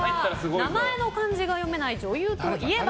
名前の漢字が読めない女優といえば？